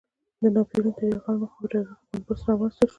د ناپیلیون تر یرغل مخکې په جګړه کې بن بست رامنځته شو.